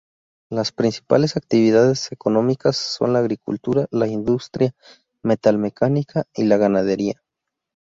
Las principales actividades económicas son la agricultura, la industria metal-mecánica y la ganadería.